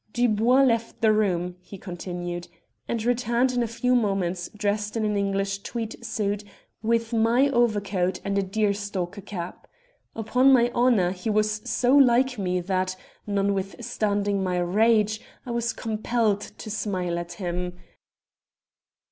"Dubois left the room," he continued, "and returned in a few moments, dressed in an English tweed suit, with my overcoat and a deerstalker cap. Upon my honour, he was so like me that, notwithstanding my rage, I was compelled to smile at him.